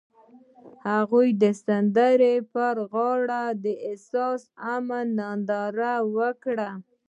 هغوی د سړک پر غاړه د حساس آرمان ننداره وکړه.